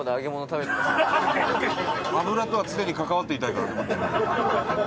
伊達：油とは常に関わっていたいから。